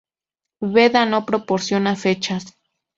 Beda no proporciona fechas.